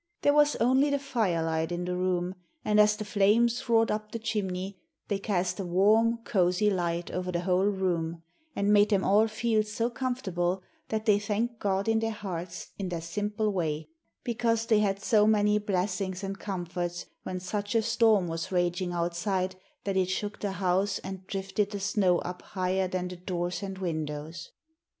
There was only the firelight in the room, and as the flames roared up the chimney they cast a warm, cosy light over the whole room, and made them all feel so comfortable that they thanked God in their hearts in their simple way, because they had so many blessings and comforts when such a storm was raging outside that it shook the house and drifted the snow up higher than the doors and windows.